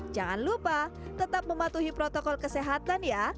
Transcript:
jangan lupa tetap mematuhi protokol kesehatan ya